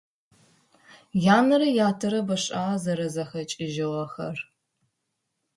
Янэрэ ятэрэ бэшIагъэ зэрэзэхэкIыжьыгъэхэр.